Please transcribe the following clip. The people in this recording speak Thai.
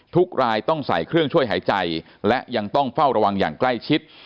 ทุกรายต้องใส่เครื่องช่วยหายใจและยังต้องเฝ้าระวังอย่างใกล้ชิด